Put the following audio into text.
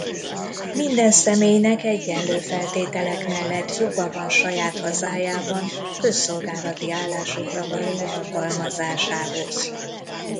Minden személynek egyenlő feltételek mellett joga van saját hazájában közszolgálati állásokra való alkalmazásához.